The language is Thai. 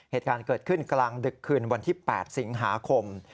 เหตุการณ์เกิดขึ้นกลางดึกคืนวันที่๘สิงหาคม